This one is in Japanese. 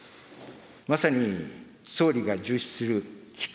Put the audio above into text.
まさに、総理が重視する聞く